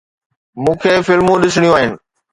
مون کي فلمون ڏسڻيون آهن.